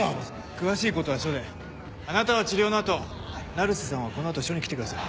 詳しいことは署であなたは治療の後成瀬さんはこの後署に来てください。